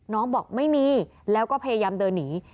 บอกไม่มีแล้วก็พยายามเดินหนี